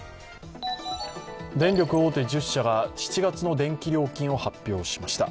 電力大手１０社が７月の電気料金を発表しました。